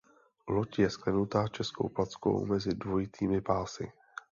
Loď je sklenuta českou plackou mezi dvojitými pásy.